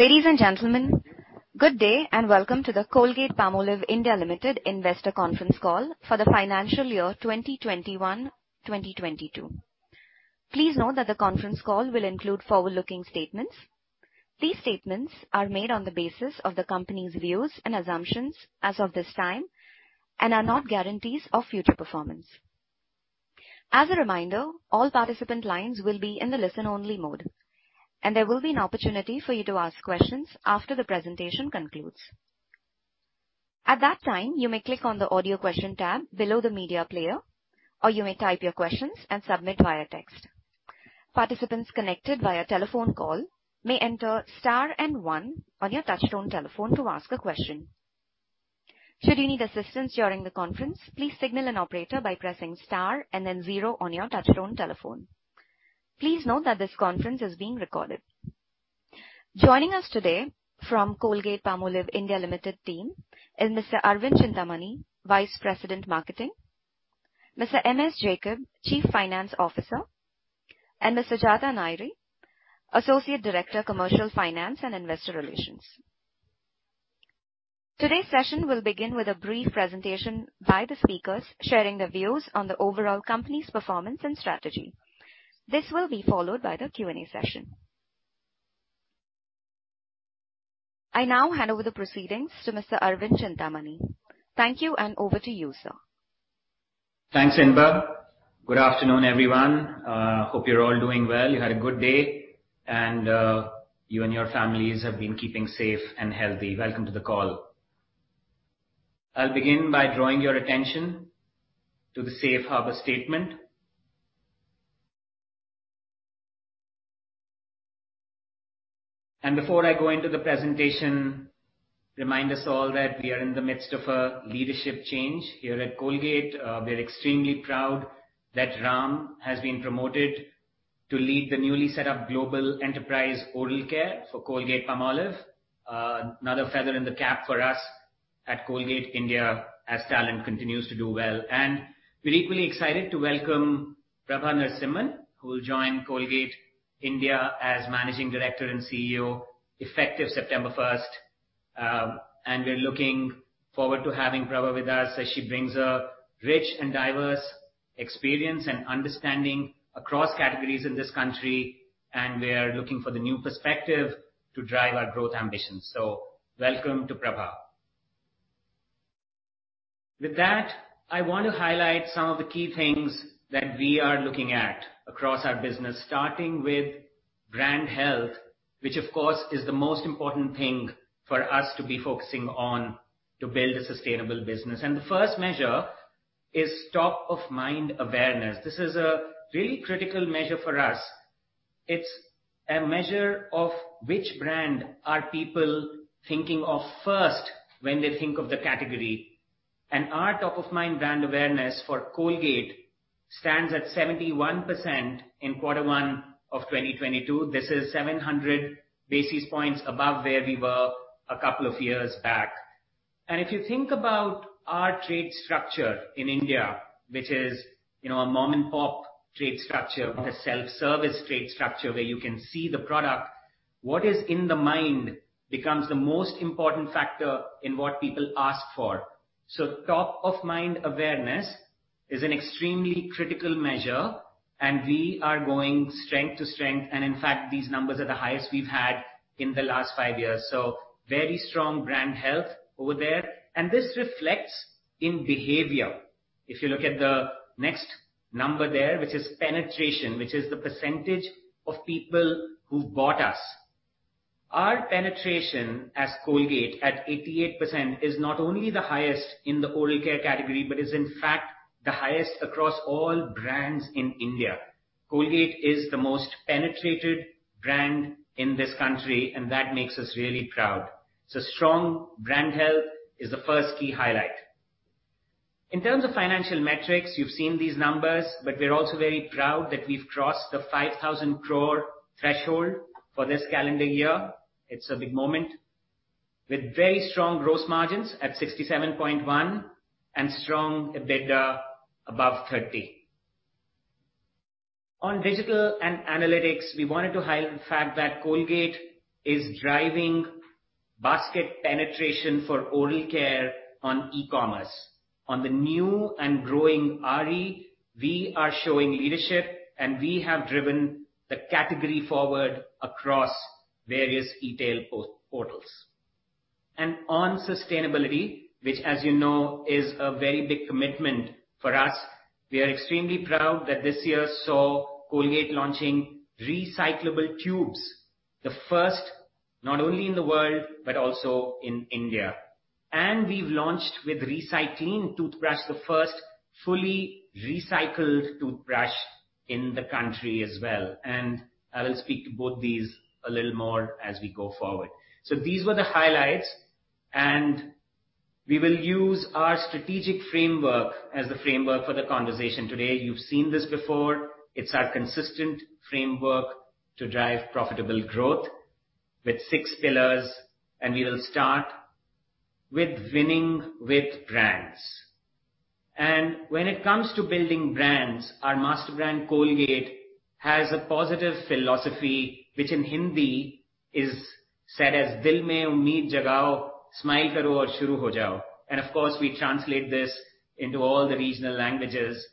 Ladies and gentlemen, good day and welcome to the Colgate-Palmolive (India) Limited Investor Conference Call for the financial year 2021/2022. Please note that the conference call will include forward-looking statements. These statements are made on the basis of the company's views and assumptions as of this time and are not guarantees of future performance. As a reminder, all participant lines will be in the listen-only mode, and there will be an opportunity for you to ask questions after the presentation concludes. At that time, you may click on the audio question tab below the media player, or you may type your questions and submit via text. Participants connected via telephone call may enter star and one on your touchtone telephone to ask a question. Should you need assistance during the conference, please signal an operator by pressing star and then zero on your touchtone telephone. Please note that this conference is being recorded. Joining us today from Colgate-Palmolive (India) Limited team is Mr. Arvind Chintamani, Vice President, Marketing, Mr. MS Jacob, Chief Financial Officer, and Mr. Sujata Nairi, Associate Director, Commercial Finance and Investor Relations. Today's session will begin with a brief presentation by the speakers sharing their views on the overall company's performance and strategy. This will be followed by the Q&A session. I now hand over the proceedings to Mr. Arvind Chintamani. Thank you, and over to you, sir. Thanks, Inba. Good afternoon, everyone. Hope you're all doing well. You had a good day, and, you and your families have been keeping safe and healthy. Welcome to the call. I'll begin by drawing your attention to the Safe Harbor statement. Before I go into the presentation, remind us all that we are in the midst of a leadership change here at Colgate. We're extremely proud that Ram has been promoted to lead the newly set up global enterprise oral care for Colgate-Palmolive. Another feather in the cap for us at Colgate India as talent continues to do well. We're equally excited to welcome Prabha Narasimhan, who will join Colgate India as Managing Director and CEO, effective September first. We're looking forward to having Prabha with us as she brings a rich and diverse experience and understanding across categories in this country, and we are looking for the new perspective to drive our growth ambitions. Welcome to Prabha. With that, I want to highlight some of the key things that we are looking at across our business, starting with brand health, which of course is the most important thing for us to be focusing on to build a sustainable business. The first measure is top of mind awareness. This is a really critical measure for us. It's a measure of which brand are people thinking of first when they think of the category. Our top of mind brand awareness for Colgate stands at 71% in quarter one of 2022. This is 700 basis points above where we were a couple of years back. If you think about our trade structure in India, which is, you know, a mom-and-pop trade structure with a self-service trade structure where you can see the product, what is in the mind becomes the most important factor in what people ask for. Top of mind awareness is an extremely critical measure, and we are going strength to strength, and in fact, these numbers are the highest we've had in the last five years. Very strong brand health over there. This reflects in behavior. If you look at the next number there, which is penetration, which is the percentage of people who've bought us. Our penetration as Colgate at 88% is not only the highest in the oral care category, but is in fact the highest across all brands in India. Colgate is the most penetrated brand in this country, and that makes us really proud. Strong brand health is the first key highlight. In terms of financial metrics, you've seen these numbers, but we're also very proud that we've crossed the 5,000 crore threshold for this calendar year. It's a big moment. With very strong gross margins at 67.1% and strong EBITDA above 30%. On digital and analytics, we wanted to highlight the fact that Colgate is driving basket penetration for oral care on e-commerce. On the new and growing RE, we are showing leadership, and we have driven the category forward across various e-tail portals. On sustainability, which as you know is a very big commitment for us, we are extremely proud that this year saw Colgate launching recyclable tubes. The first, not only in the world, but also in India. We've launched with RecyClean toothbrush, the first fully recycled toothbrush in the country as well. I will speak to both these a little more as we go forward. These were the highlights, and we will use our strategic framework as the framework for the conversation today. You've seen this before. It's our consistent framework to drive profitable growth with six pillars, and we will start with winning with brands. When it comes to building brands, our master brand, Colgate, has a positive philosophy, which in Hindi is said as, "Dil mein ummeed jagao, smile karo aur shuru ho jao." Of course, we translate this into all the regional languages.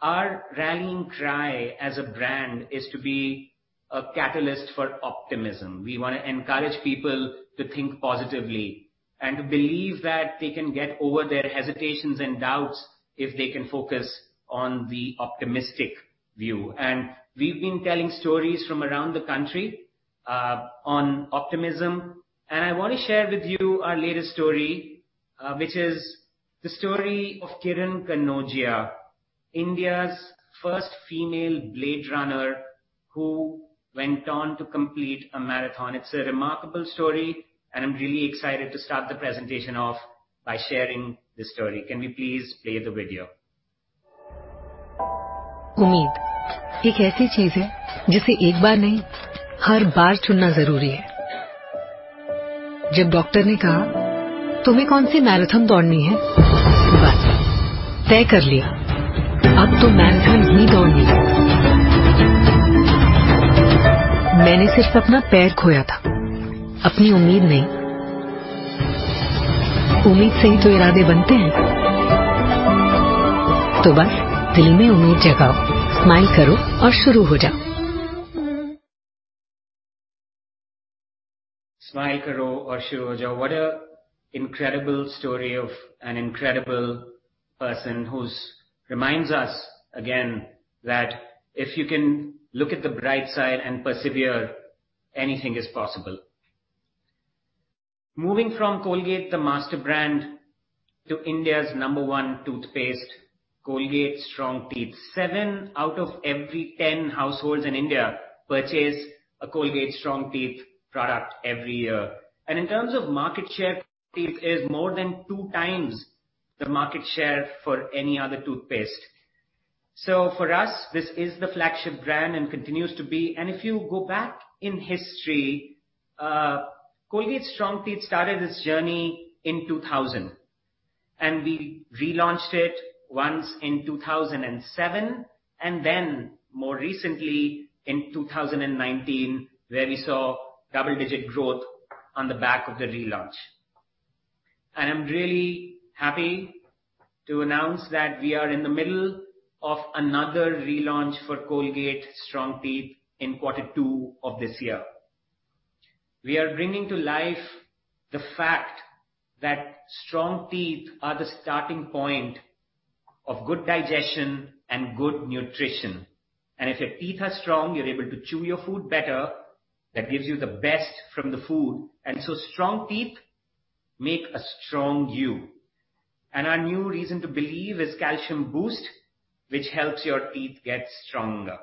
Our rallying cry as a brand is to be a catalyst for optimism. We wanna encourage people to think positively and to believe that they can get over their hesitations and doubts if they can focus on the optimistic view. We've been telling stories from around the country on optimism, and I wanna share with you our latest story, which is the story of Kiran Kanojia, India's first female blade runner who went on to complete a marathon. It's a remarkable story, and I'm really excited to start the presentation off by sharing this story. Can we please play the video? Umeed, ek aisi cheez hai jise ek baar nahi, har baar chunna zaroori hai. Jab doctor ne kaha, "Tumhe kaun si marathon daudni hai?" Bas theek kar liya. Ab toh marathon hi daudni hai. Maine sirf apna pair khoya tha, apni umeed nahi. Umeed se hi toh iraade bante hain. Toh bas dil mein umeed jagao, smile karo aur shuru ho jao. Smile karo aur shuru ho jao. What an incredible story of an incredible person who reminds us again that if you can look at the bright side and persevere, anything is possible. Moving from Colgate, the master brand, to India's number one toothpaste, Colgate Strong Teeth. Seven out of every ten households in India purchase a Colgate Strong Teeth product every year. In terms of market share, Teeth is more than two times the market share for any other toothpaste. For us, this is the flagship brand and continues to be. If you go back in history, Colgate Strong Teeth started its journey in 2000, and we relaunched it once in 2007, and then more recently in 2019, where we saw double-digit growth on the back of the relaunch. I'm really happy to announce that we are in the middle of another relaunch for Colgate Strong Teeth in quarter two of this year. We are bringing to life the fact that strong teeth are the starting point of good digestion and good nutrition. If your teeth are strong, you're able to chew your food better. That gives you the best from the food. Strong teeth make a strong you. Our new reason to believe is calcium boost, which helps your teeth get stronger.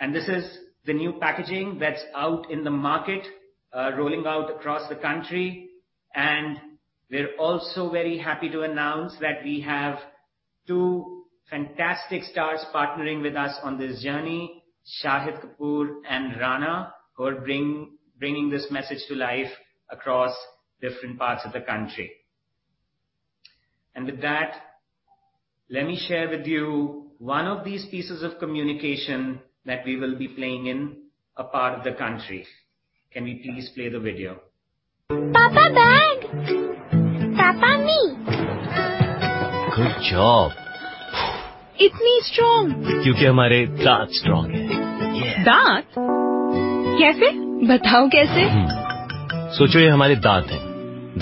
This is the new packaging that's out in the market, rolling out across the country. We're also very happy to announce that we have two fantastic stars partnering with us on this journey, Shahid Kapoor and Rana, who are bringing this message to life across different parts of the country. With that, let me share with you one of these pieces of communication that we will be playing in a part of the country. Can we please play the video? Papa bag. Papa me. Good job. Itni strong. Kyunki hamare daant strong hain. Yeah. Daant? Kaise? Batao kaise. Socho ye hamare daant hain.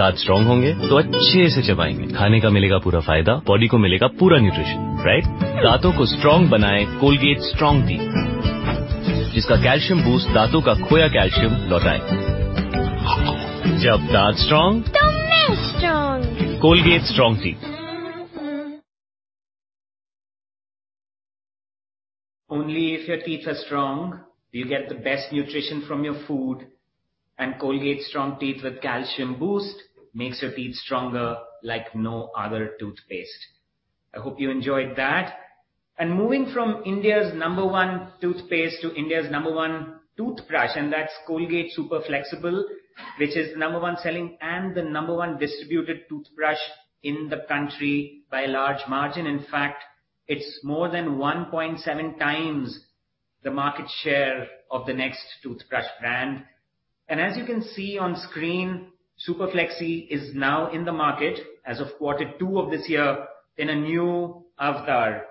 Daant strong honge toh achhe se chabayenge. Khaane ka milega poora faayda. Body ko milega poora nutrition. Right? Daanton ko strong banaye Colgate Strong Teeth. Jiska calcium boost daanton ka khoya calcium lautaye. Jab daant strong. Main strong. Colgate Strong Teeth. Only if your teeth are strong, you get the best nutrition from your food. Colgate Strong Teeth with calcium boost makes your teeth stronger like no other toothpaste. I hope you enjoyed that. Moving from India's number one toothpaste to India's number one toothbrush, and that's Colgate Super Flexi, which is the number one selling and the number one distributed toothbrush in the country by a large margin. In fact, it's more than 1.7 times the market share of the next toothbrush brand. As you can see on screen, Super Flexi is now in the market as of quarter two of this year in a new avatar.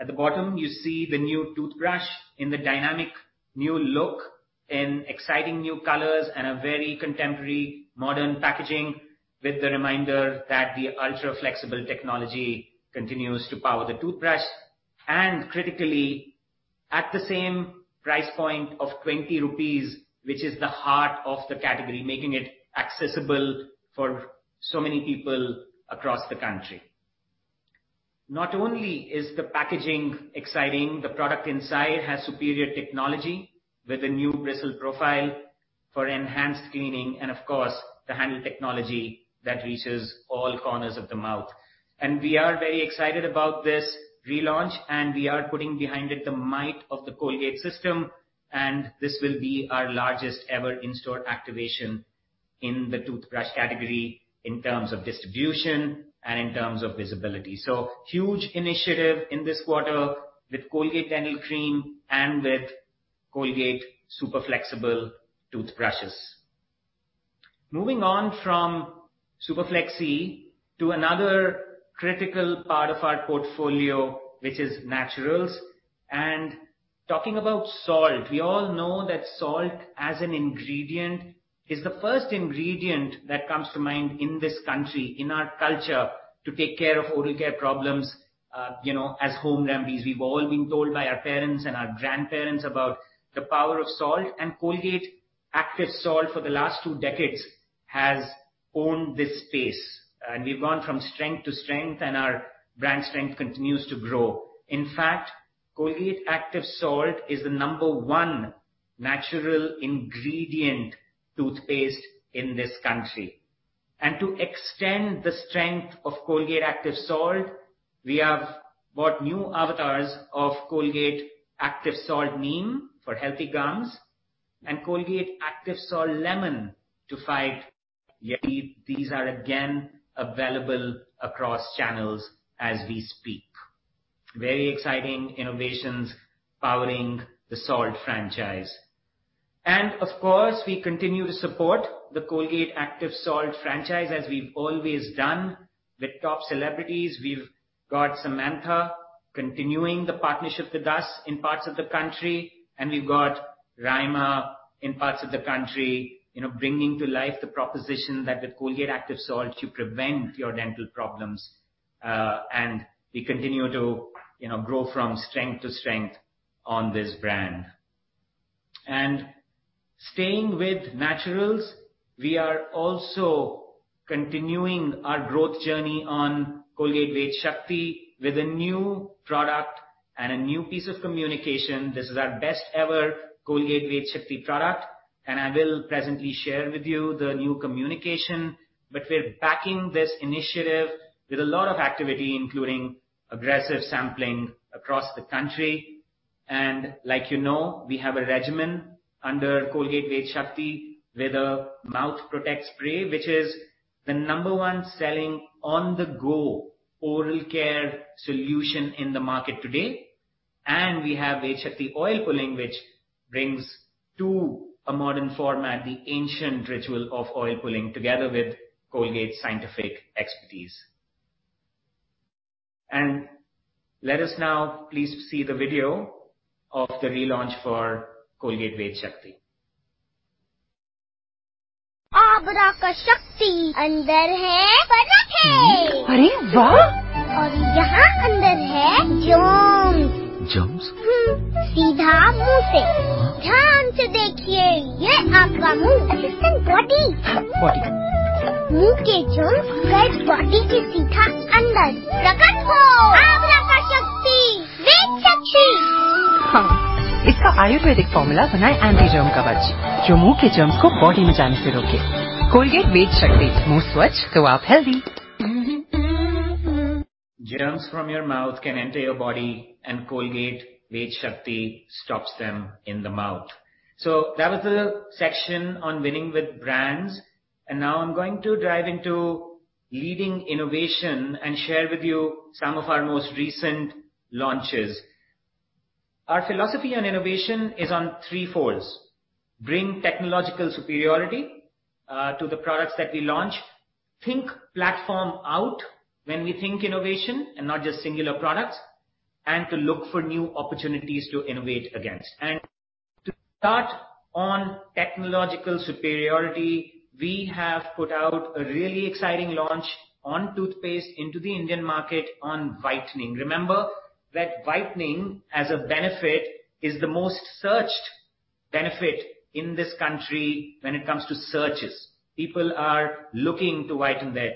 At the bottom, you see the new toothbrush in the dynamic new look, in exciting new colors, and a very contemporary modern packaging with the reminder that the ultra-flexible technology continues to power the toothbrush, and critically, at the same price point of 20 rupees which is the heart of the category, making it accessible for so many people across the country. Not only is the packaging exciting, the product inside has superior technology with a new bristle profile for enhanced cleaning and of course, the handle technology that reaches all corners of the mouth. We are very excited about this relaunch, and we are putting behind it the might of the Colgate system. This will be our largest ever in-store activation in the toothbrush category in terms of distribution and in terms of visibility. Huge initiative in this quarter with Colgate Dental Cream and with Colgate Super Flexi toothbrushes. Moving on from Super Flexi to another critical part of our portfolio, which is naturals and talking about salt. We all know that salt as an ingredient is the first ingredient that comes to mind in this country, in our culture, to take care of oral care problems, as home remedies. We've all been told by our parents and our grandparents about the power of salt. Colgate Active Salt for the last two decades has owned this space, and we've gone from strength to strength, and our brand strength continues to grow. In fact, Colgate Active Salt is the number one natural ingredient toothpaste in this country. To extend the strength of Colgate Active Salt, we have bought new avatars of Colgate Active Salt Neem for healthy gums and Colgate Active Salt Lemon to fight yellow teeth. These are again available across channels as we speak. Very exciting innovations powering the Salt franchise. Of course, we continue to support the Colgate Active Salt franchise as we've always done with top celebrities. We've got Samantha continuing the partnership with us in parts of the country, and we've got Rima in parts of the country, you know, bringing to life the proposition that with Colgate Active Salt you prevent your dental problems. We continue to, you know, grow from strength to strength on this brand. Staying with naturals, we are also continuing our growth journey on Colgate Vedshakti with a new product and a new piece of communication. This is our best ever Colgate Vedshakti product, and I will presently share with you the new communication. We're backing this initiative with a lot of activity, including aggressive sampling across the country. Like you know, we have a regimen under Colgate Vedshakti with a Mouth Protect Spray, which is the number one selling on-the-go oral care solution in the market today. We have Vedshakti Oil Pulling, which brings to a modern format the ancient ritual of oil pulling together with Colgate scientific expertise. Let us now please see the video of the relaunch for Colgate Vedshakti. Ved ka Shakti. Andar hai, bana hai. Arey wah. Aur yahan andar hai germs. Germs? Seedha muh se. Dhyan se dekhiye. Ye aapka muh. It's in body. Muh ke germs gaye body ke seedha andar. Jadoo ho. Ved ka Shakti. Ved Shakti. Haan. Iska Ayurvedic formula banaaye anti-germ kavach jo muh ke germs ko body mein jaane se roke. Colgate Vedshakti. Muh swachh to aap healthy. Germs from your mouth can enter your body, and Colgate Vedshakti stops them in the mouth. That was the section on winning with brands, and now I'm going to dive into leading innovation and share with you some of our most recent launches. Our philosophy on innovation is threefold: Bring technological superiority to the products that we launch, think platform out when we think innovation and not just singular products, and to look for new opportunities to innovate against. To start on technological superiority, we have put out a really exciting launch on toothpaste into the Indian market on whitening. Remember that whitening as a benefit is the most searched benefit in this country when it comes to searches. People are looking to whiten their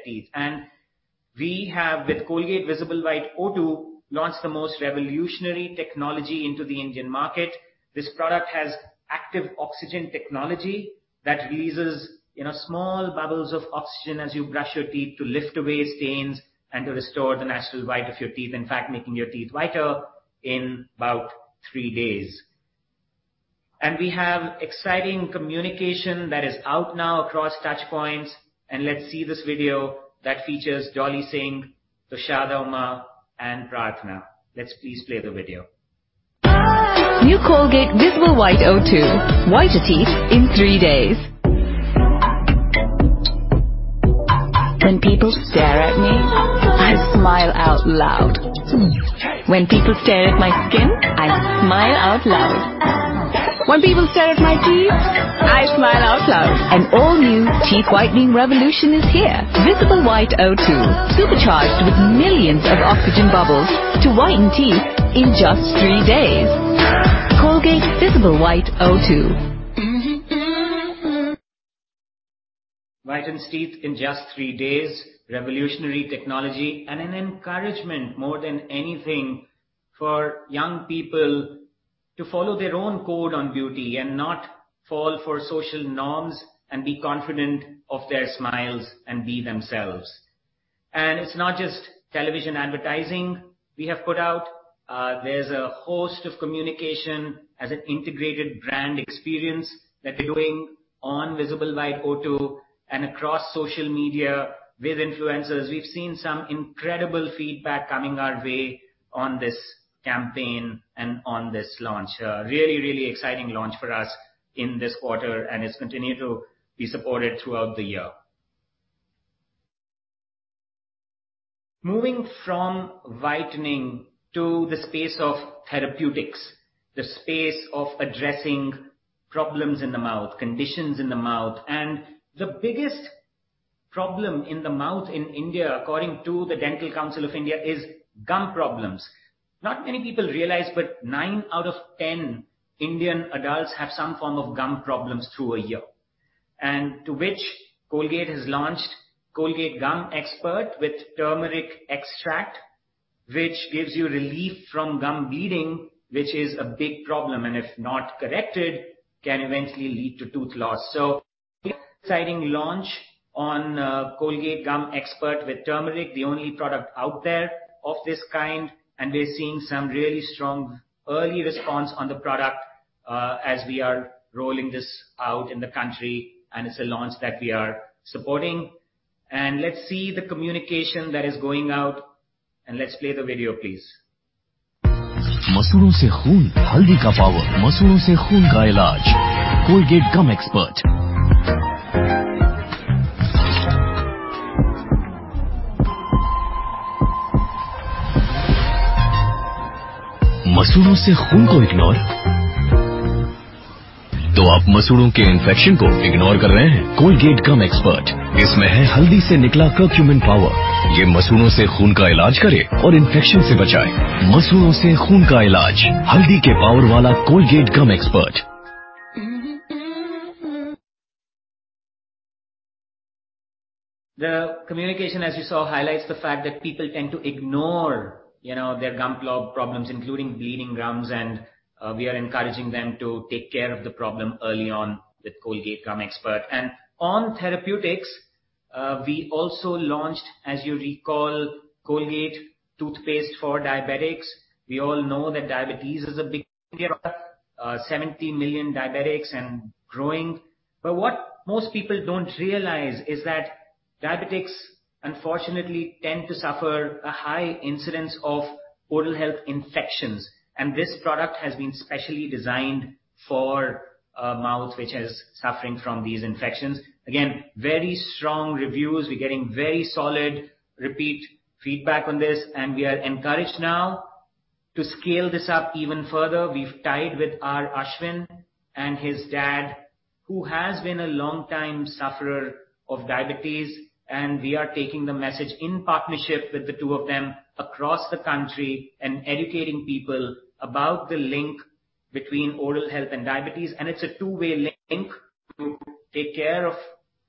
teeth. We have, with Colgate Visible White O2, launched the most revolutionary technology into the Indian market. This product has active oxygen technology that releases, you know, small bubbles of oxygen as you brush your teeth to lift away stains and to restore the natural white of your teeth, in fact, making your teeth whiter in about three days. We have exciting communication that is out now across touchpoints, and let's see this video that features Dolly Singh, Toshada Uma and Prarthana. Let's please play the video. New Colgate Visible White O2. Whiter teeth in three days. When people stare at me, I smile out loud. When people stare at my skin, I smile out loud. When people stare at my teeth, I smile out loud. An all new teeth whitening revolution is here. Visible White O2, supercharged with millions of oxygen bubbles to whiten teeth in just three days. Colgate Visible White O2. Whitens teeth in just three days, revolutionary technology and an encouragement more than anything for young people to follow their own code on beauty and not fall for social norms and be confident of their smiles and be themselves. It's not just television advertising we have put out. There's a host of communication as an integrated brand experience that we're doing on Visible White O2 and across social media with influencers. We've seen some incredible feedback coming our way on this campaign and on this launch. A really, really exciting launch for us in this quarter, and it's continued to be supported throughout the year. Moving from whitening to the space of therapeutics, the space of addressing problems in the mouth, conditions in the mouth. The biggest problem in the mouth in India, according to the Dental Council of India, is gum problems. Not many people realize, but nine out of 10 Indian adults have some form of gum problems through a year. To which Colgate has launched Colgate Gum Expert with turmeric extract, which gives you relief from gum bleeding, which is a big problem, and if not corrected, can eventually lead to tooth loss. Exciting launch on Colgate Gum Expert with turmeric, the only product out there of this kind, and we're seeing some really strong early response on the product as we are rolling this out in the country, and it's a launch that we are supporting. Let's see the communication that is going out, and let's play the video, please. The communication, as you saw, highlights the fact that people tend to ignore, you know, their gum problems, including bleeding gums, and we are encouraging them to take care of the problem early on with Colgate Gum Expert. On therapeutics, we also launched, as you recall, Colgate for Diabetics. We all know that diabetes is a big 70 million diabetics and growing. But what most people don't realize is that diabetics, unfortunately, tend to suffer a high incidence of oral health infections, and this product has been specially designed for a mouth which is suffering from these infections. Again, very strong reviews. We're getting very solid repeat feedback on this, and we are encouraged now to scale this up even further. We've tied with R Ashwin and his dad, who has been a long time sufferer of diabetes, and we are taking the message in partnership with the two of them across the country and educating people about the link between oral health and diabetes. It's a two-way link to take care of,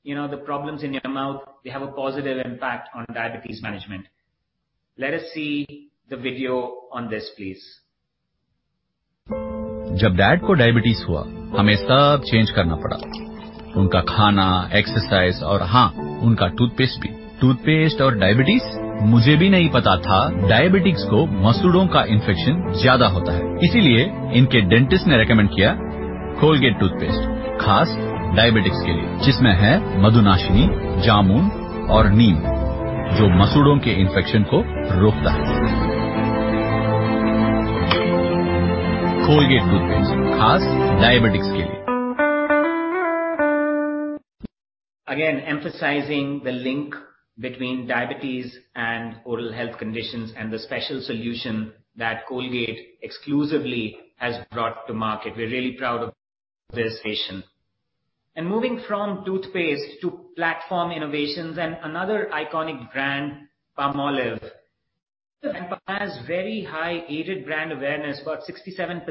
you know, the problems in your mouth. They have a positive impact on diabetes management. Let us see the video on this, please. Again, emphasizing the link between diabetes and oral health conditions and the special solution that Colgate exclusively has brought to market. We're really proud of this solution. Moving from toothpaste to platform innovations and another iconic brand, Palmolive. Palmolive has very high aided brand awareness. About 67%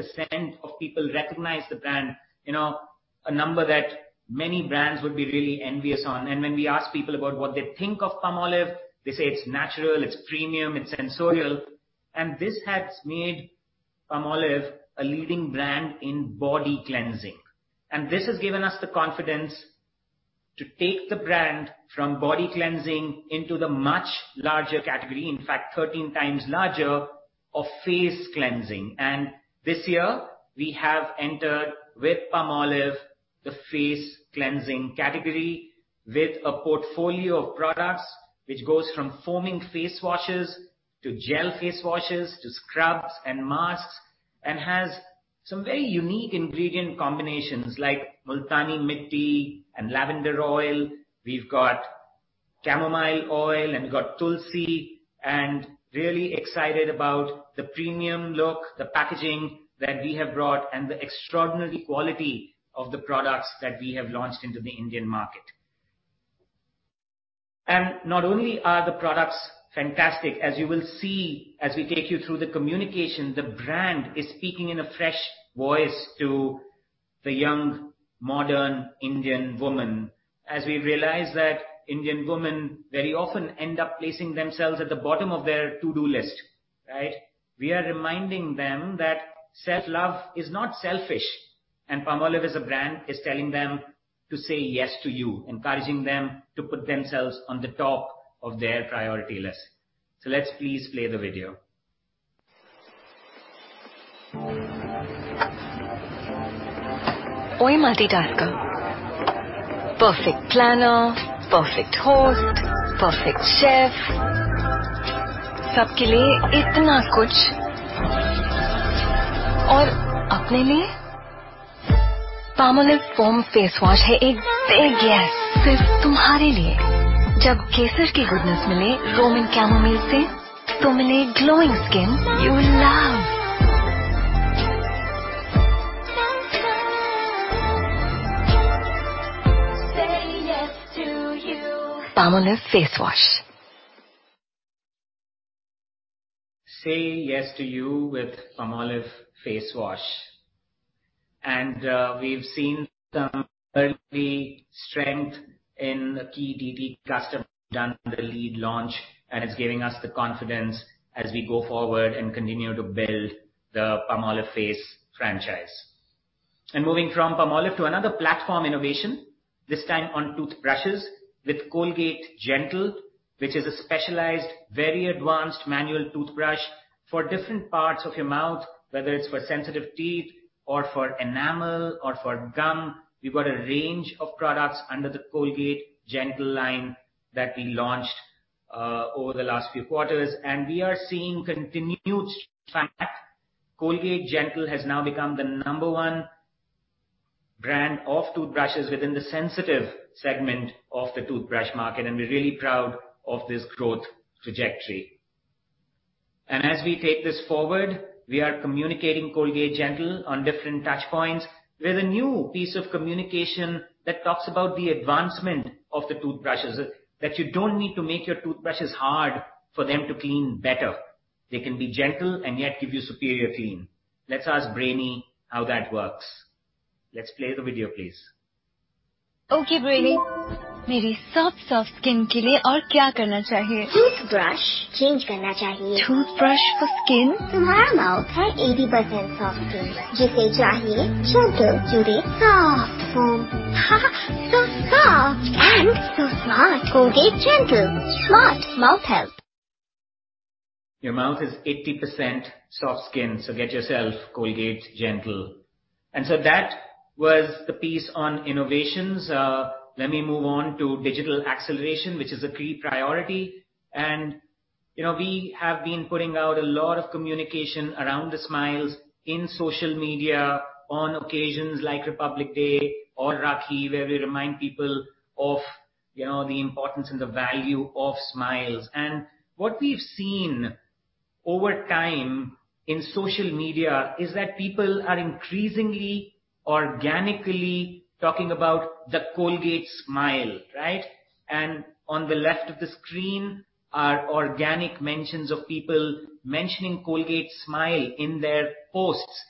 of people recognize the brand, you know, a number that many brands would be really envious of. When we ask people about what they think of Palmolive, they say it's natural, it's premium, it's sensorial. This has made Palmolive a leading brand in body cleansing. This has given us the confidence to take the brand from body cleansing into the much larger category, in fact 13 times larger, of face cleansing. This year we have entered with Palmolive, the face cleansing category with a portfolio of products which goes from foaming face washes, to gel face washes, to scrubs and masks, and has some very unique ingredient combinations like multani mitti and lavender oil. We've got chamomile oil, and we've got tulsi, and really excited about the premium look, the packaging that we have brought and the extraordinary quality of the products that we have launched into the Indian market. Not only are the products fantastic, as you will see as we take you through the communication, the brand is speaking in a fresh voice to the young, modern Indian woman. As we realize that Indian women very often end up placing themselves at the bottom of their to-do list, right? We are reminding them that self-love is not selfish. Palmolive as a brand is telling them to say yes to you, encouraging them to put themselves on the top of their priority list. Let's please play the video. Say yes to you with Palmolive Face Wash. We've seen some early strength in the key D2C cluster. We've done the lead launch, and it's giving us the confidence as we go forward and continue to build the Palmolive Face franchise. Moving from Palmolive to another platform innovation, this time on toothbrushes with Colgate Gentle, which is a specialized, very advanced manual toothbrush for different parts of your mouth, whether it's for sensitive teeth or for enamel or for gum. We've got a range of products under the Colgate Gentle line that we launched over the last few quarters, and we are seeing continued Colgate Gentle has now become the number one brand of toothbrushes within the sensitive segment of the toothbrush market, and we're really proud of this growth trajectory. As we take this forward, we are communicating Colgate Gentle on different touch points with a new piece of communication that talks about the advancement of the toothbrushes, that you don't need to make your toothbrushes hard for them to clean better. They can be gentle and yet give you superior clean. Let's ask Brainy how that works. Let's play the video, please. Okay, Brainy. Your mouth is 80% soft skin, so get yourself Colgate Gentle. That was the piece on innovations. Let me move on to digital acceleration, which is a key priority. You know, we have been putting out a lot of communication around the smiles in social media on occasions like Republic Day or Rakhi, where we remind people of, you know, the importance and the value of smiles. What we've seen over time in social media is that people are increasingly organically talking about the Colgate smile, right? On the left of the screen are organic mentions of people mentioning Colgate smile in their posts.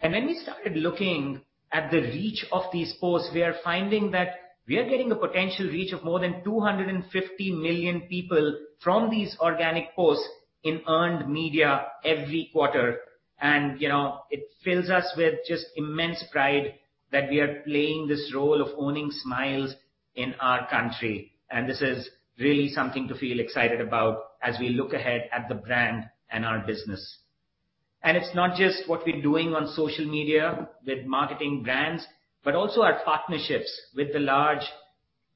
When we started looking at the reach of these posts, we are finding that we are getting a potential reach of more than 250 million people from these organic posts in earned media every quarter. You know, it fills us with just immense pride that we are playing this role of owning smiles in our country. This is really something to feel excited about as we look ahead at the brand and our business. It's not just what we're doing on social media with marketing brands, but also our partnerships with the large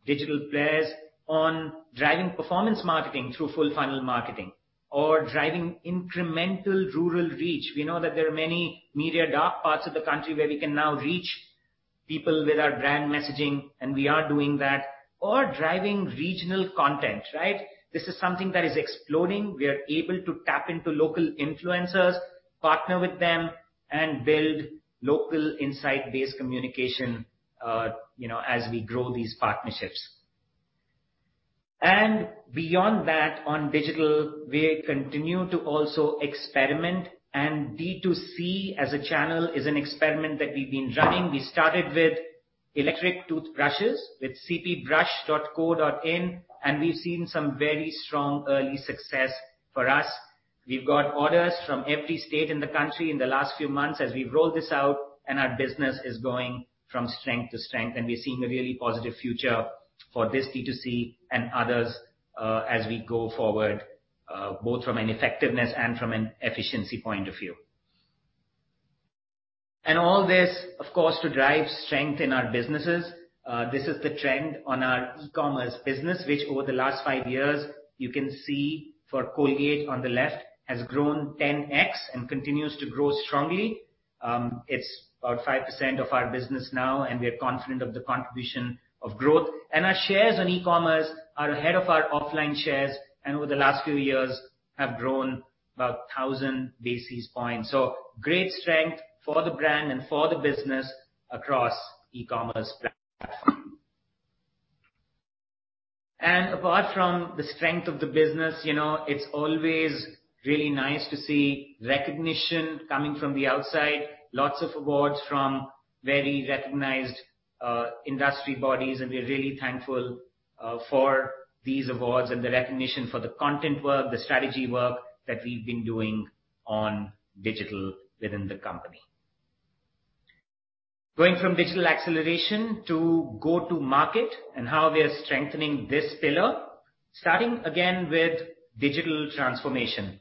digital players on driving performance marketing through full funnel marketing or driving incremental rural reach. We know that there are many media dark parts of the country where we can now reach people with our brand messaging, and we are doing that or driving regional content, right? This is something that is exploding. We are able to tap into local influencers, partner with them and build local insight-based communication, you know, as we grow these partnerships. Beyond that, on digital, we continue to also experiment, and D2C as a channel is an experiment that we've been running. We started with electric toothbrushes with cpbrush.co.in, and we've seen some very strong early success for us. We've got orders from every state in the country in the last few months as we've rolled this out and our business is going from strength to strength, and we're seeing a really positive future for this D2C and others, as we go forward, both from an effectiveness and from an efficiency point of view. All this, of course, to drive strength in our businesses. This is the trend on our e-commerce business, which over the last five years, you can see for Colgate on the left, has grown 10x and continues to grow strongly. It's about 5% of our business now, and we are confident of the contribution of growth. Our shares on e-commerce are ahead of our offline shares and over the last few years have grown about 1,000 basis points. Great strength for the brand and for the business across e-commerce platforms. Apart from the strength of the business, you know, it's always really nice to see recognition coming from the outside. Lots of awards from very recognized industry bodies, and we're really thankful for these awards and the recognition for the content work, the strategy work that we've been doing on digital within the company. Going from digital acceleration to go to market and how we are strengthening this pillar, starting again with digital transformation.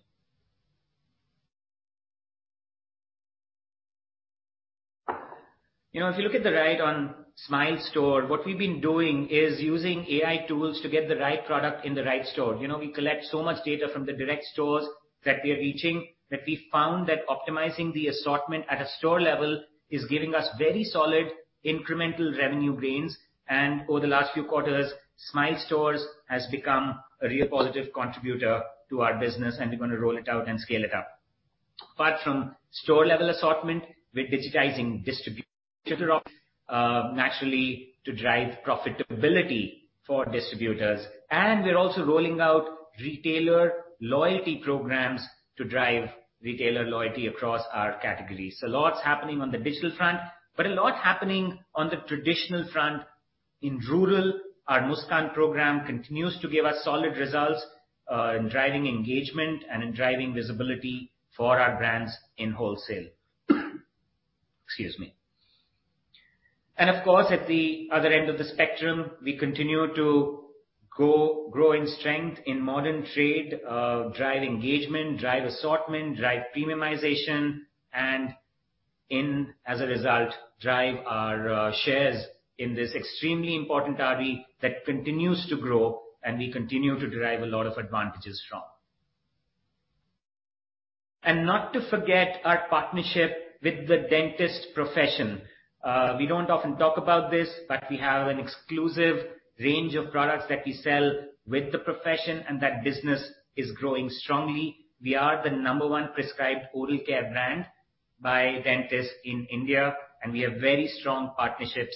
You know, if you look at the right on Smile Store, what we've been doing is using AI tools to get the right product in the right store. You know, we collect so much data from the direct stores that we are reaching, that we found that optimizing the assortment at a store level is giving us very solid incremental revenue gains. Over the last few quarters, Smile stores has become a real positive contributor to our business, and we're gonna roll it out and scale it up. Apart from store level assortment, we're digitizing distributor naturally to drive profitability for distributors. We're also rolling out retailer loyalty programs to drive retailer loyalty across our categories. Lots happening on the digital front, but a lot happening on the traditional front. In rural, our Muskaan program continues to give us solid results in driving engagement and in driving visibility for our brands in wholesale. Excuse me. Of course, at the other end of the spectrum, we continue to grow in strength in modern trade, drive engagement, drive assortment, drive premiumization, and as a result, drive our shares in this extremely important derby that continues to grow and we continue to derive a lot of advantages from. Not to forget our partnership with the dental profession. We don't often talk about this, but we have an exclusive range of products that we sell with the profession, and that business is growing strongly. We are the number one prescribed oral care brand by dentists in India, and we have very strong partnerships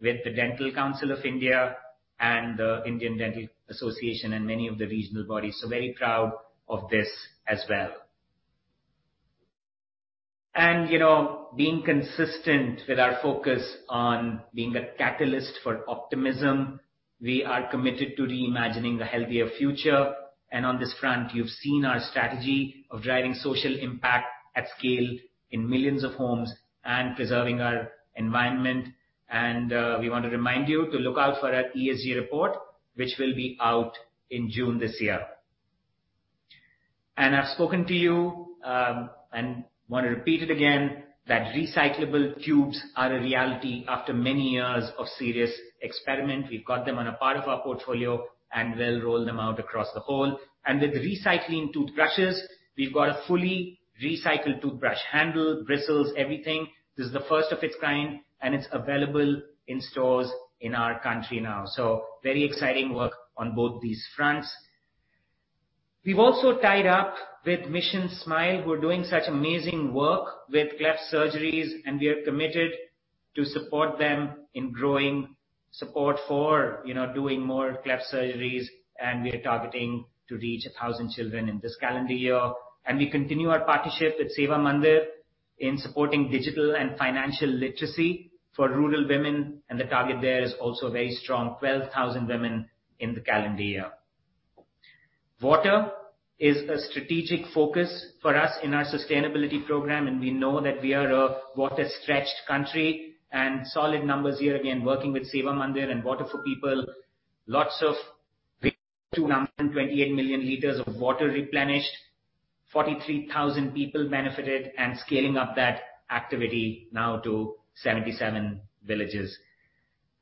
with the Dental Council of India and the Indian Dental Association and many of the regional bodies. Very proud of this as well. You know, being consistent with our focus on being a catalyst for optimism, we are committed to reimagining a healthier future. On this front, you've seen our strategy of driving social impact at scale in millions of homes and preserving our environment. We want to remind you to look out for our ESG report, which will be out in June this year. I've spoken to you and want to repeat it again, that recyclable tubes are a reality after many years of serious experiment. We've got them on a part of our portfolio, and we'll roll them out across the whole. With RecyClean toothbrushes, we've got a fully recycled toothbrush handle, bristles, everything. This is the first of its kind, and it's available in stores in our country now. Very exciting work on both these fronts. We've also tied up with Mission Smile, who are doing such amazing work with cleft surgeries, and we are committed to support them in growing support for, you know, doing more cleft surgeries. We are targeting to reach 1,000 children in this calendar year. We continue our partnership with Seva Mandir in supporting digital and financial literacy for rural women. The target there is also very strong, 12,000 women in the calendar year. Water is a strategic focus for us in our sustainability program, and we know that we are a water-stretched country and solid numbers here. Again, working with Seva Mandir and Water For People. 228 million liters of water replenished, 43,000 people benefited, and scaling up that activity now to 77 villages.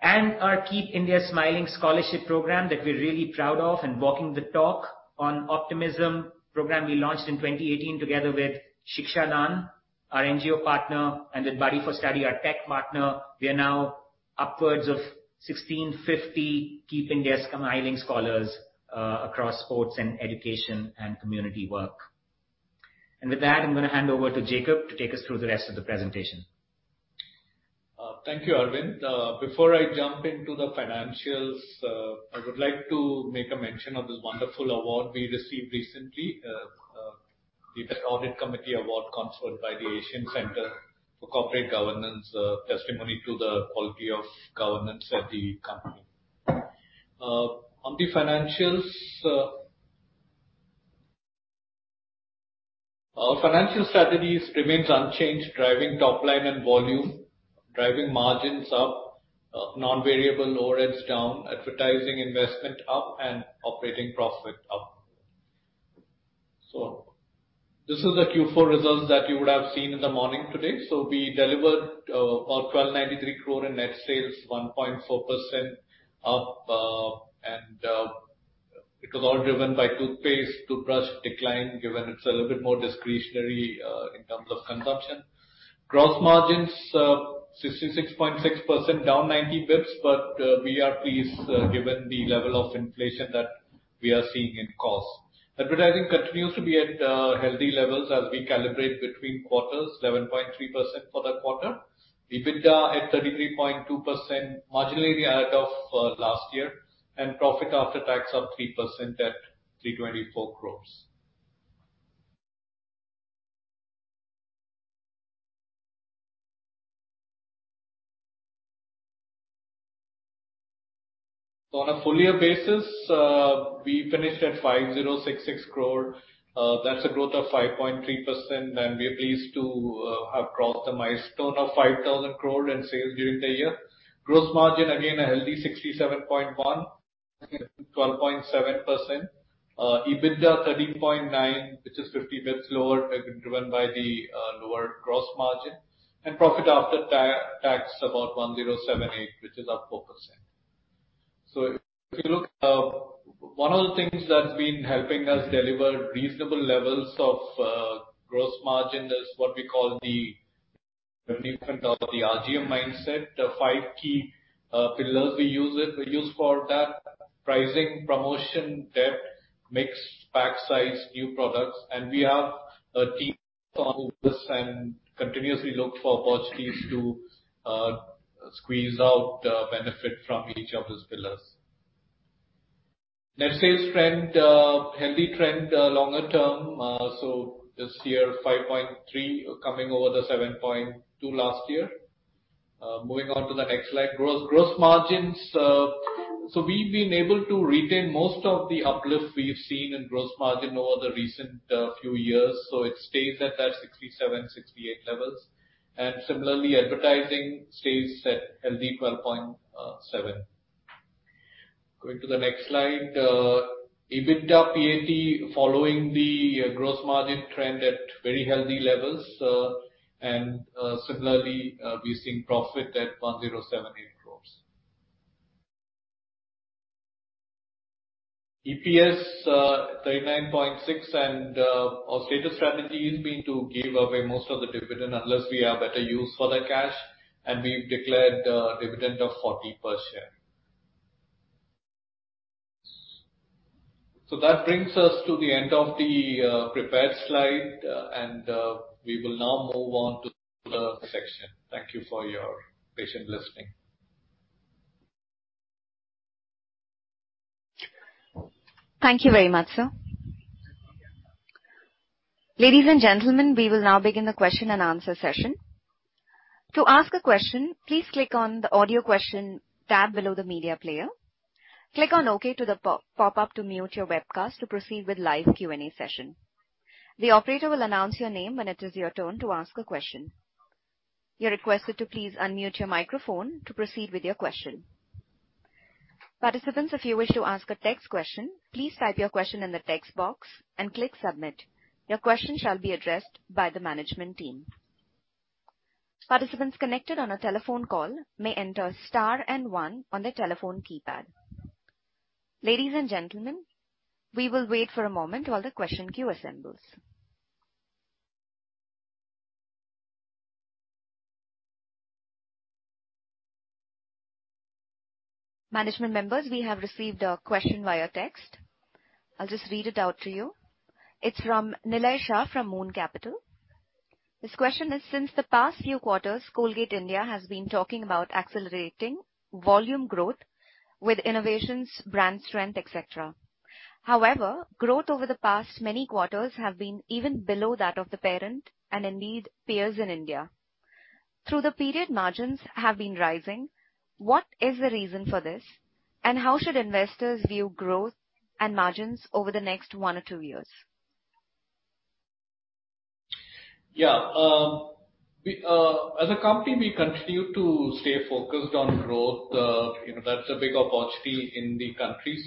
Our Keep India Smiling scholarship program that we're really proud of and walking the talk on optimism program we launched in 2018 together with Shikshadaan, our NGO partner, and with Buddy4Study, our tech partner. We are now upwards of 1,650 Keep India Smiling scholars across sports and education and community work. With that, I'm gonna hand over to MS Jacob to take us through the rest of the presentation. Thank you, Arvind. Before I jump into the financials, I would like to make a mention of this wonderful award we received recently. The Best Audit Committee Award conferred by the Asian Centre for Corporate Governance, testimony to the quality of governance at the company. On the financials, our financial strategies remains unchanged, driving top line and volume, driving margins up, non-variable overheads down, advertising investment up and operating profit up. This is the Q4 results that you would have seen in the morning today. We delivered about 1,293 crore in net sales, 1.4% up, and it was all driven by toothpaste. Toothbrush decline given it's a little bit more discretionary, in terms of consumption. Gross margins 66.6%, down 90 basis points, but we are pleased given the level of inflation that we are seeing in costs. Advertising continues to be at healthy levels as we calibrate between quarters, 11.3% for that quarter. EBITDA at 33.2%, marginally ahead of last year. Profit after tax up 3% at 324 crore. On a full year basis, we finished at 5,066 crore. That's a growth of 5.3%, and we're pleased to have crossed the milestone of 5,000 crore in sales during the year. Gross margin, again, a healthy 67.1%. Twelve point seven percent. EBITDA 33.9%, which is 50 basis points lower, driven by the lower gross margin. Profit after tax, about 1,078, which is up 4%. If you look, one of the things that's been helping us deliver reasonable levels of gross margin is what we call the movement of the RGM mindset. The five key pillars we use for that are pricing, promotion, depth, mix, pack size, new products. We have a team on this and continuously look for opportunities to squeeze out the benefit from each of those pillars. Net sales trend, healthy trend longer term. This year, 5.3% coming over the 7.2% last year. Moving on to the next slide. Gross margins, we've been able to retain most of the uplift we've seen in gross margin over the recent few years, so it stays at that 67%-68% levels. Similarly, advertising stays at healthy 12.7%. Going to the next slide. EBITDA, PAT following the gross margin trend at very healthy levels. Similarly, we're seeing profit at 1,078 crores. EPS 39.6. Our stated strategy has been to give away most of the dividend unless we have better use for the cash. We've declared a dividend of 40 per share. That brings us to the end of the prepared slide, and we will now move on to the section. Thank you for your patient listening. Thank you very much, sir. Ladies and gentlemen, we will now begin the question-and-answer session. To ask a question, please click on the Audio Question tab below the media player. Click on OK to the pop-up to mute your webcast to proceed with live Q&A session. The operator will announce your name when it is your turn to ask a question. You're requested to please unmute your microphone to proceed with your question. Participants, if you wish to ask a text question, please type your question in the text box and click Submit. Your question shall be addressed by the management team. Participants connected on a telephone call may enter star and one on their telephone keypad. Ladies and gentlemen, we will wait for a moment while the question queue assembles. Management members, we have received a question via text. I'll just read it out to you. It's from Nillai Shah from Moon Capital. His question is, Since the past few quarters, Colgate India has been talking about accelerating volume growth with innovations, brand strength, et cetera. However, growth over the past many quarters have been even below that of the parent and indeed peers in India. Through the period, margins have been rising. What is the reason for this, and how should investors view growth and margins over the next one or two years? Yeah. We, as a company, we continue to stay focused on growth. You know, that's a big opportunity in the country. You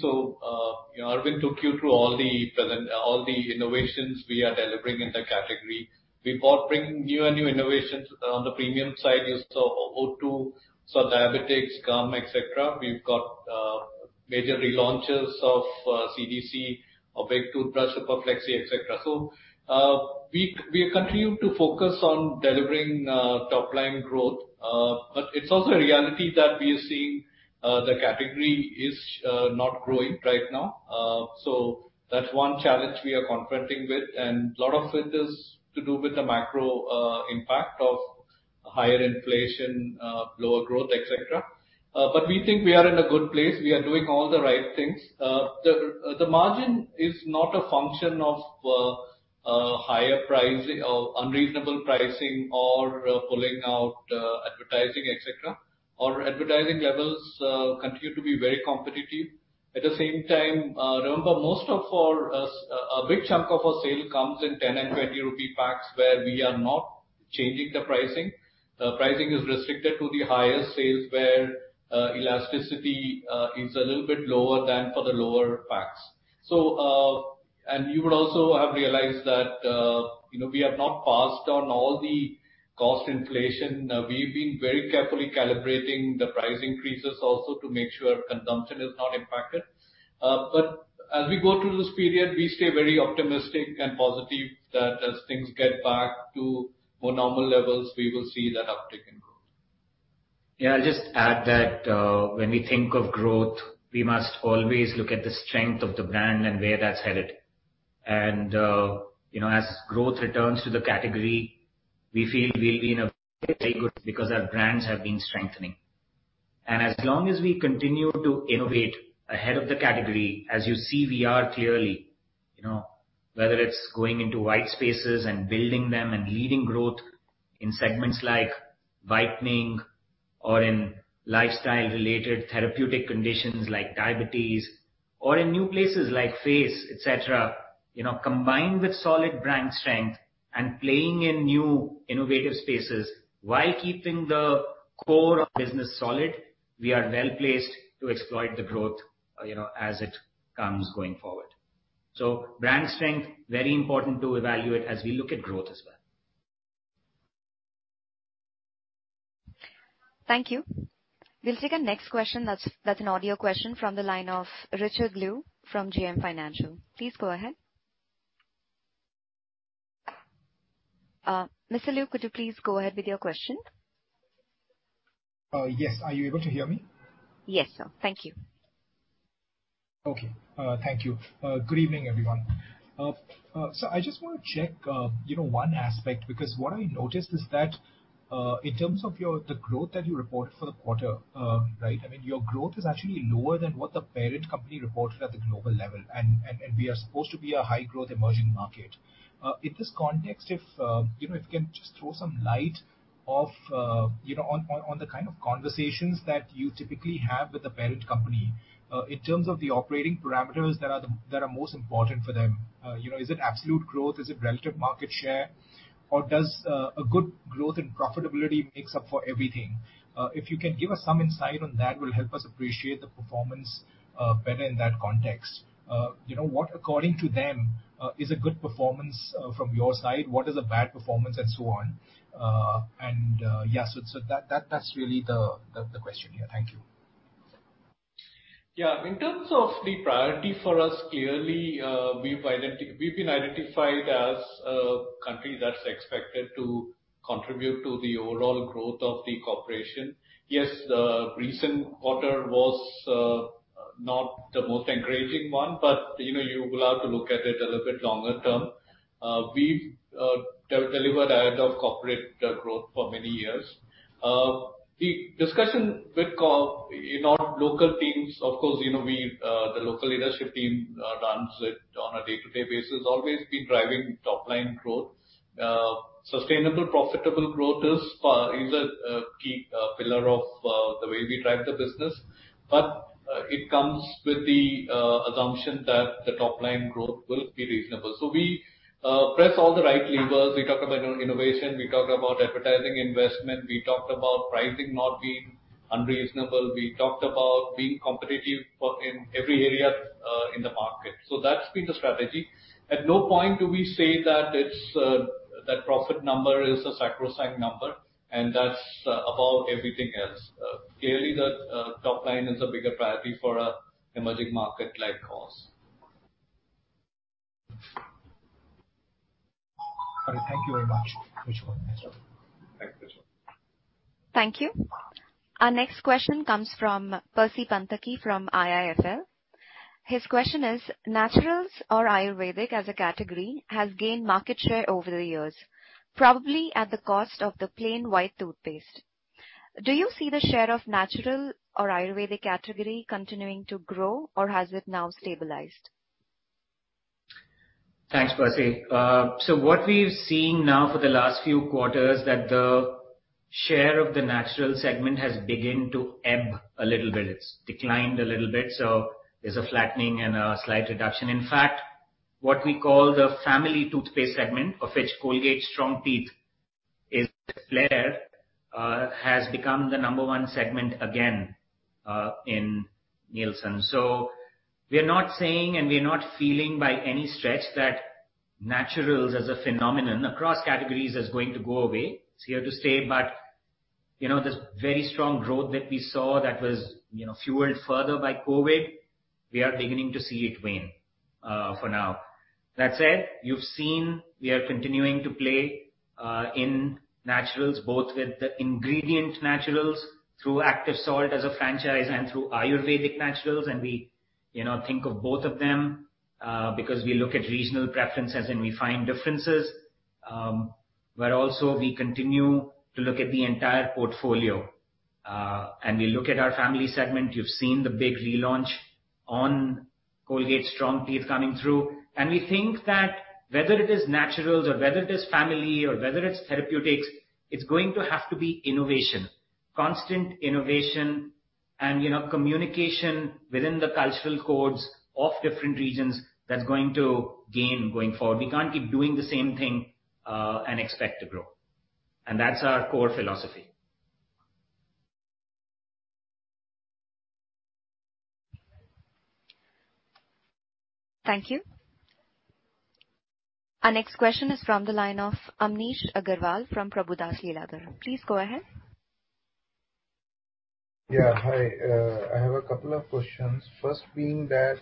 know, Arvind took you through all the innovations we are delivering in the category. We bring new and new innovations on the premium side, you saw O2, saw diabetic gum, et cetera. We've got major relaunches of CDC, of e.g. toothbrush, of Plax, et cetera. We continue to focus on delivering top-line growth, but it's also a reality that we are seeing, the category is not growing right now. That's one challenge we are confronting with, and a lot of it is to do with the macro impact of higher inflation, lower growth, et cetera. We think we are in a good place. We are doing all the right things. The margin is not a function of higher pricing or unreasonable pricing or pulling out advertising, et cetera. Our advertising levels continue to be very competitive. At the same time, remember, most of our a big chunk of our sale comes in 10 and 20 rupee packs where we are not changing the pricing. The pricing is restricted to the highest sales where elasticity is a little bit lower than for the lower packs. You would also have realized that, you know, we have not passed on all the cost inflation. We've been very carefully calibrating the price increases also to make sure consumption is not impacted. As we go through this period, we stay very optimistic and positive that as things get back to more normal levels, we will see that uptick in growth. Yeah. I'll just add that, when we think of growth, we must always look at the strength of the brand and where that's headed. You know, as growth returns to the category, we feel we'll be in a very good because our brands have been strengthening. As long as we continue to innovate ahead of the category, as you see we are clearly. You know, whether it's going into white spaces and building them and leading growth in segments like whitening or in lifestyle related therapeutic conditions like diabetes or in new places like face, et cetera. You know, combined with solid brand strength and playing in new innovative spaces while keeping the core of business solid, we are well-placed to exploit the growth, as it comes going forward. Brand strength, very important to evaluate as we look at growth as well. Thank you. We'll take our next question that's an audio question from the line of Richard Lu from GM Financial. Please go ahead. Mr. Lu, could you please go ahead with your question? Yes. Are you able to hear me? Yes, sir. Thank you. Okay. Thank you. Good evening, everyone. I just want to check, you know, one aspect because what I noticed is that, in terms of the growth that you reported for the quarter, right? I mean, your growth is actually lower than what the parent company reported at the global level. We are supposed to be a high growth emerging market. In this context, if you know, if you can just throw some light on, you know, the kind of conversations that you typically have with the parent company, in terms of the operating parameters that are most important for them. You know, is it absolute growth? Is it relative market share? Or does a good growth in profitability makes up for everything? If you can give us some insight on that will help us appreciate the performance better in that context. You know, what according to them is a good performance from your side? What is a bad performance and so on? Yeah, so that that's really the question here. Thank you. Yeah. In terms of the priority for us, clearly, we've been identified as a country that's expected to contribute to the overall growth of the corporation. Yes, the recent quarter was not the most encouraging one, but you know, you will have to look at it a little bit longer term. We've delivered ahead of corporate growth for many years. The discussion in our local teams, of course, you know, we, the local leadership team runs it on a day-to-day basis, always been driving top line growth. Sustainable profitable growth is a key pillar of the way we drive the business. It comes with the assumption that the top line growth will be reasonable. We press all the right levers. We talk about innovation, we talk about advertising investment, we talked about pricing not being unreasonable. We talked about being competitive in every area in the market. That's been the strategy. At no point do we say that it's that profit number is a sacrosanct number, and that's above everything else. Clearly the top line is a bigger priority for an emerging market like ours. All right. Thank you very much. Appreciate it. Thanks, Richard. Thank you. Our next question comes from Percy Panthaki from IIFL. His question is, naturals or Ayurvedic as a category has gained market share over the years, probably at the cost of the plain white toothpaste. Do you see the share of natural or Ayurvedic category continuing to grow, or has it now stabilized? Thanks, Percy. What we've seen now for the last few quarters that the share of the natural segment has begun to ebb a little bit. It's declined a little bit, so there's a flattening and a slight reduction. In fact, what we call the family toothpaste segment, of which Colgate Strong Teeth is the player, has become the number one segment again, in Nielsen. We are not saying, and we are not feeling by any stretch that naturals as a phenomenon across categories is going to go away. It's here to stay. You know, this very strong growth that we saw that was, you know, fueled further by COVID, we are beginning to see it wane, for now. That said, you've seen we are continuing to play in naturals, both with the ingredient naturals through Active Salt as a franchise and through Ayurvedic naturals. We, you know, think of both of them because we look at regional preferences and we find differences. Also we continue to look at the entire portfolio. We look at our family segment. You've seen the big relaunch on Colgate Strong Teeth coming through. We think that whether it is naturals or whether it is family or whether it's therapeutics, it's going to have to be innovation. Constant innovation and, you know, communication within the cultural codes of different regions that's going to gain going forward. We can't keep doing the same thing and expect to grow. That's our core philosophy. Thank you. Our next question is from the line of Amnish Aggarwal from Prabhudas Lilladher. Please go ahead. Yeah. Hi. I have a couple of questions. Hello,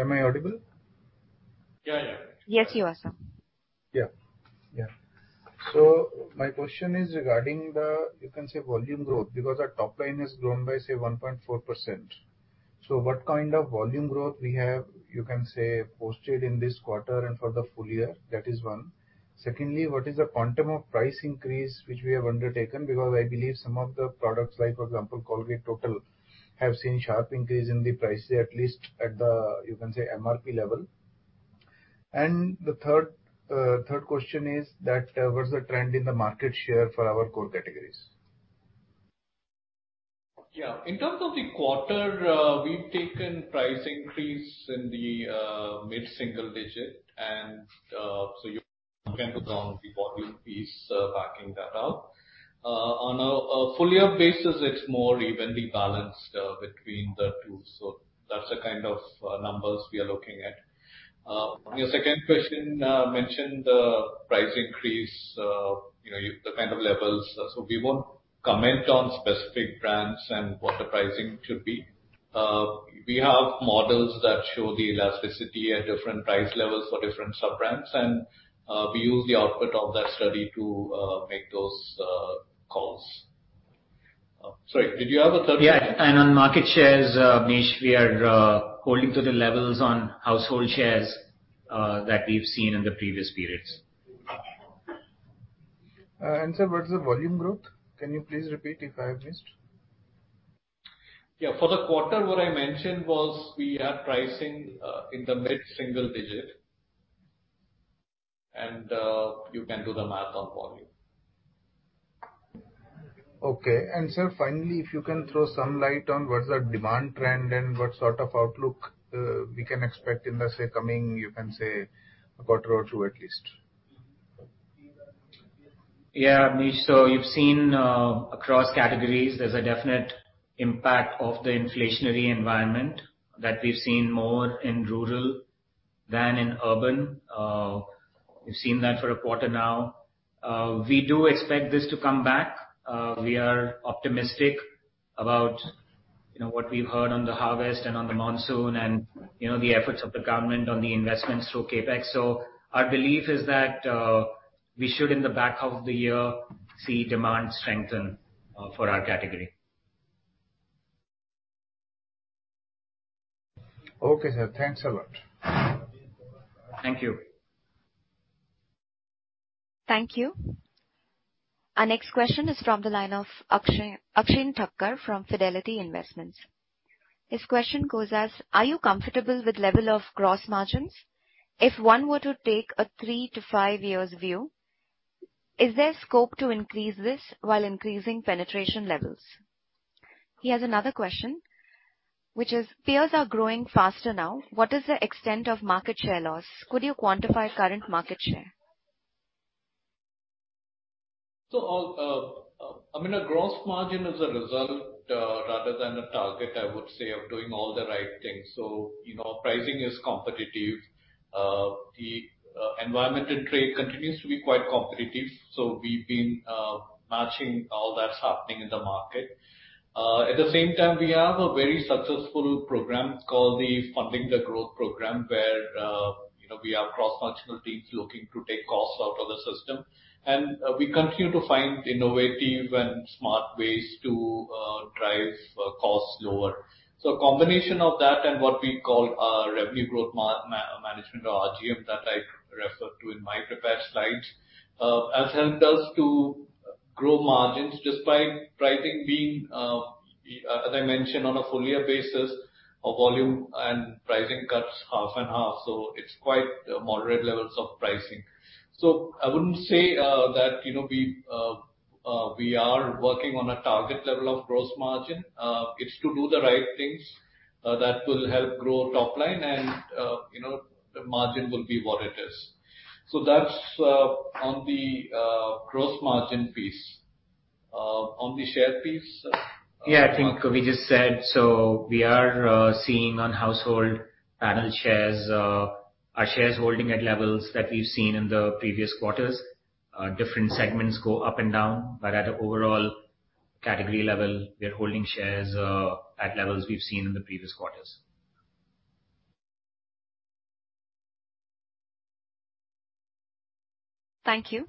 am I audible? Yeah, yeah. Yes, you are, sir. Yeah. My question is regarding the, you can say, volume growth, because our top line has grown by, say, 1.4%. What kind of volume growth we have, you can say, posted in this quarter and for the full year? That is one. Secondly, what is the quantum of price increase which we have undertaken? Because I believe some of the products, like for example, Colgate Total, have seen sharp increase in the prices, at least at the, you can say, MRP level. The third question is that, what is the trend in the market share for our core categories? Yeah. In terms of the quarter, we've taken price increase in the mid-single digit. The volume piece backing that up. On a full year basis, it's more evenly balanced between the two. That's the kind of numbers we are looking at. On your second question, mentioned the price increase, you know, the kind of levels. We won't comment on specific brands and what the pricing should be. We have models that show the elasticity at different price levels for different sub-brands, and we use the output of that study to make those calls. Sorry, did you have a third question? Yeah. On market shares, Amnish, we are holding to the levels on household shares that we've seen in the previous periods. Sir, what is the volume growth? Can you please repeat if I have missed? Yeah. For the quarter, what I mentioned was we are pricing in the mid-single-digit % and you can do the math on volume. Okay. Sir, finally, if you can throw some light on what's the demand trend and what sort of outlook we can expect in, let's say, coming, you can say, a quarter or two at least? Yeah, Amnish. You've seen across categories, there's a definite impact of the inflationary environment that we've seen more in rural than in urban. We've seen that for a quarter now. We do expect this to come back. We are optimistic about, you know, what we've heard on the harvest and on the monsoon and, you know, the efforts of the government on the investments through CapEx. Our belief is that we should, in the back half of the year, see demand strengthen for our category. Okay, sir. Thanks a lot. Thank you. Thank you. Our next question is from the line of Akshen Thakkar from Fidelity International. His question goes as: Are you comfortable with level of gross margins? If one were to take a 3-5 years view, is there scope to increase this while increasing penetration levels? He has another question, which is: Peers are growing faster now, what is the extent of market share loss? Could you quantify current market share? I mean, our gross margin is a result, rather than a target, I would say, of doing all the right things. You know, pricing is competitive. The environment and trade continues to be quite competitive, so we've been matching all that's happening in the market. At the same time, we have a very successful program called the Funding the Growth program, where you know, we have cross-functional teams looking to take costs out of the system. We continue to find innovative and smart ways to drive costs lower. A combination of that and what we call our Revenue Growth Management or RGM, that I referred to in my prepared slides, has helped us to grow margins despite pricing being, as I mentioned, on a full year basis of volume and pricing cuts half and half. It's quite moderate levels of pricing. I wouldn't say that, you know, we are working on a target level of gross margin. It's to do the right things that will help grow top line and, you know, the margin will be what it is. That's on the gross margin piece. On the share piece. Yeah, I think we just said so we are seeing on household panel shares, our shares holding at levels that we've seen in the previous quarters. Different segments go up and down, but at an overall category level, we're holding shares at levels we've seen in the previous quarters. Thank you.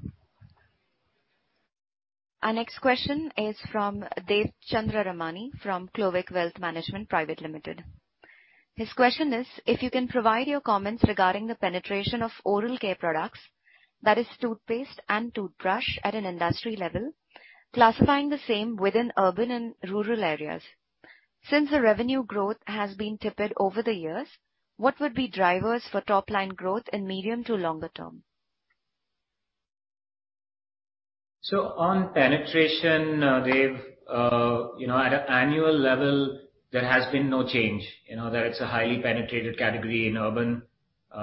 Our next question is from Devchandra Ramani from Clovek Wealth Management Private Limited. His question is: If you can provide your comments regarding the penetration of oral care products, that is toothpaste and toothbrush, at an industry level, classifying the same within urban and rural areas. Since the revenue growth has been tepid over the years, what would be drivers for top-line growth in medium to longer term? On penetration, Dev, you know, at an annual level, there has been no change. You know, that it's a highly penetrated category in urban,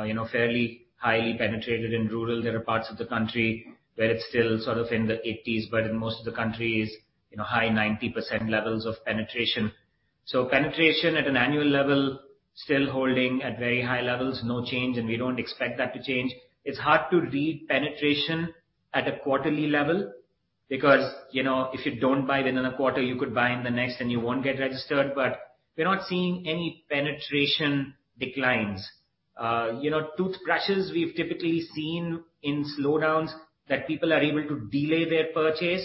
you know, fairly highly penetrated in rural. There are parts of the country where it's still sort of in the 80s, but in most of the country is, you know, high 90% levels of penetration. Penetration at an annual level, still holding at very high levels. No change, and we don't expect that to change. It's hard to read penetration at a quarterly level because, you know, if you don't buy it in a quarter, you could buy in the next and you won't get registered. We're not seeing any penetration declines. You know, toothbrushes, we've typically seen in slowdowns that people are able to delay their purchase,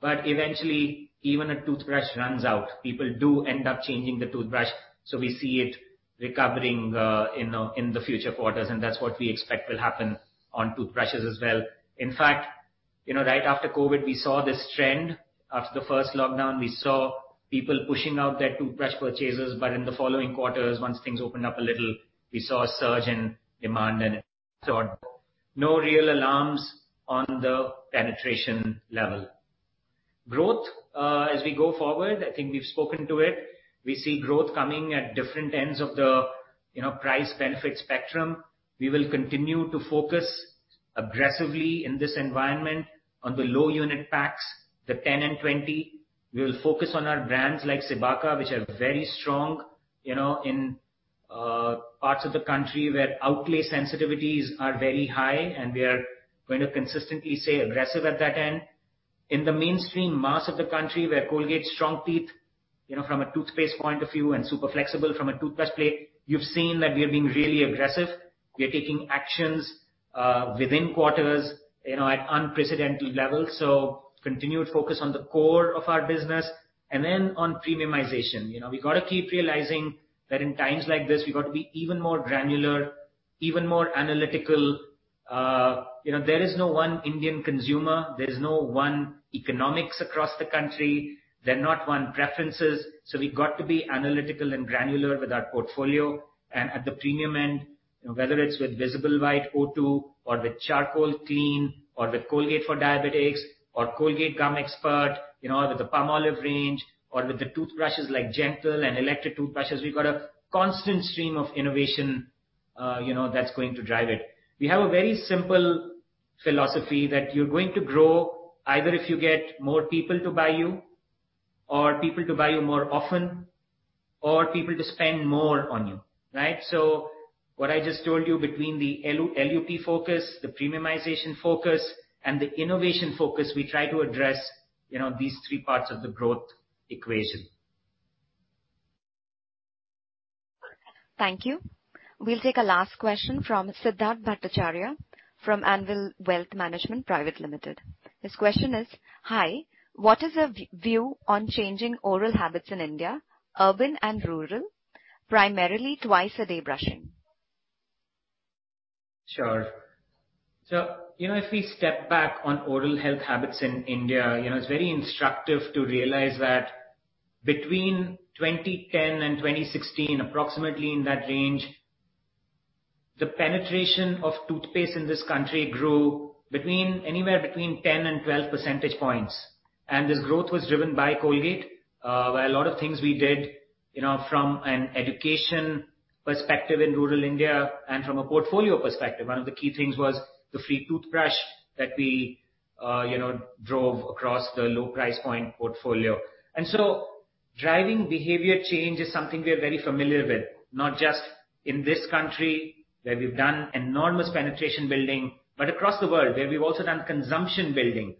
but eventually, even a toothbrush runs out. People do end up changing the toothbrush, so we see it recovering in the future quarters, and that's what we expect will happen on toothbrushes as well. You know, right after COVID, we saw this trend. After the first lockdown, we saw people pushing out their toothbrush purchases. In the following quarters, once things opened up a little, we saw a surge in demand and so on. No real alarms on the penetration level. Growth as we go forward, I think we've spoken to it. We see growth coming at different ends of the, you know, price benefit spectrum. We will continue to focus aggressively in this environment on the low unit packs, the 10 and 20. We will focus on our brands like Cibaca, which are very strong, you know, in parts of the country where outlay sensitivities are very high, and we are going to consistently stay aggressive at that end. In the mainstream mass of the country, where Colgate Strong Teeth, you know, from a toothpaste point of view and Super Flexi from a toothbrush play, you've seen that we are being really aggressive. We are taking actions within quarters, you know, at unprecedented levels. Continued focus on the core of our business and then on premiumization. You know, we've got to keep realizing that in times like this, we've got to be even more granular, even more analytical. You know, there is no one Indian consumer. There is no one economics across the country. They're not one preferences. We've got to be analytical and granular with our portfolio. At the premium end, whether it's with Visible White O2 or with Charcoal Clean or with Colgate for Diabetics or Colgate Gum Expert, you know, with the Palmolive range or with the toothbrushes like Gentle and electric toothbrushes, we've got a constant stream of innovation, you know, that's going to drive it. We have a very simple philosophy that you're going to grow either if you get more people to buy you or people to buy you more often or people to spend more on you, right? What I just told you between the LUP focus, the premiumization focus, and the innovation focus, we try to address, you know, these three parts of the growth equation. Thank you. We'll take a last question from Siddharth Bhattacharya from Anvil Wealth Management Private Limited. His question is, Hi, what is your view on changing oral habits in India, urban and rural, primarily twice-a-day brushing? Sure. You know, if we step back on oral health habits in India, you know, it's very instructive to realize that between 2010 and 2016, approximately in that range, the penetration of toothpaste in this country grew between anywhere between 10 and 12 percentage points. This growth was driven by Colgate, by a lot of things we did, you know, from an education perspective in rural India and from a portfolio perspective. One of the key things was the free toothbrush that we, you know, drove across the low price point portfolio. Driving behavior change is something we are very familiar with, not just in this country, where we've done enormous penetration building, but across the world, where we've also done consumption building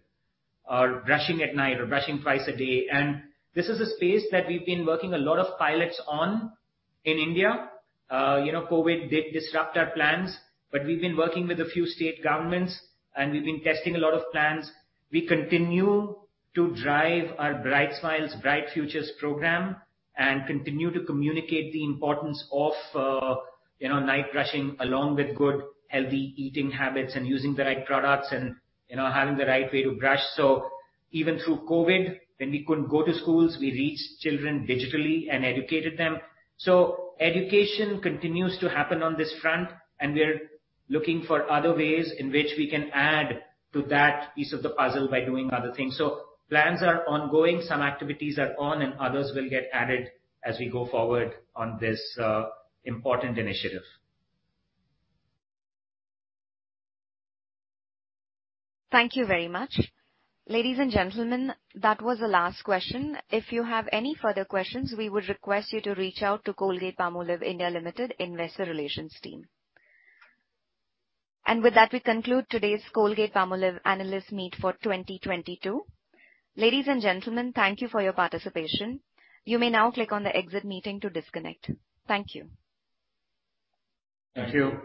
or brushing at night or brushing twice a day. This is a space that we've been working a lot of pilots on in India. You know, COVID did disrupt our plans, but we've been working with a few state governments, and we've been testing a lot of plans. We continue to drive our Bright Smiles, Bright Futures program and continue to communicate the importance of, you know, night brushing along with good, healthy eating habits and using the right products and, you know, having the right way to brush. Even through COVID, when we couldn't go to schools, we reached children digitally and educated them. Education continues to happen on this front, and we are looking for other ways in which we can add to that piece of the puzzle by doing other things. Plans are ongoing, some activities are on, and others will get added as we go forward on this important initiative. Thank you very much. Ladies and gentlemen, that was the last question. If you have any further questions, we would request you to reach out to Colgate-Palmolive (India) Limited Investor Relations team. With that, we conclude today's Colgate-Palmolive analyst meet for 2022. Ladies and gentlemen, thank you for your participation. You may now click on the Exit Meeting to disconnect. Thank you. Thank you.